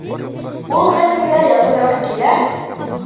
Ул Хәсәнгә яҡыныраҡ килә: